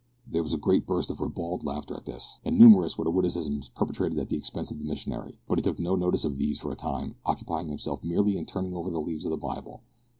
There was a great burst of ribald laughter at this, and numerous were the witticisms perpetrated at the expense of the missionary, but he took no notice of these for a time, occupying himself merely in turning over the leaves of his Bible.